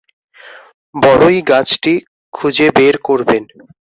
বড়ই গাছটি খুঁজে বের করবেন।